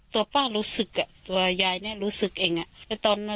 ตัวป้ารู้สึกตัวยายรู้สึกเอง